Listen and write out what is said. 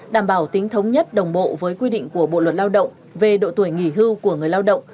đảm bảo tính thống nhất đồng bộ với quy định của bộ luật lao động về độ tuổi nghỉ hưu của người lao động